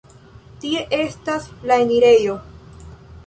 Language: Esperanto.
Tie estas la enirejo.